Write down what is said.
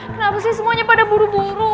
kenapa sih semuanya pada buru buru